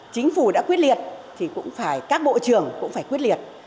chính phủ đã quyết liệt thì cũng phải các bộ trưởng cũng phải quyết liệt